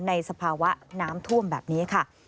สภาวะน้ำท่วมแบบนี้ค่ะ